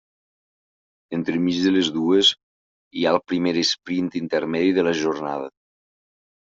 Entremig de les dues hi ha el primer esprint intermedi de la jornada.